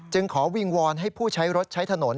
ขอวิงวอนให้ผู้ใช้รถใช้ถนน